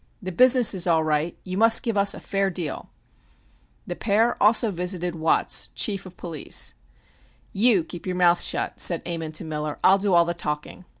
"The business is all right; you must give us a fair deal!" The pair also visited Watts, the chief of police. "You keep your mouth shut," said Ammon to Miller. "I'll do all the talking."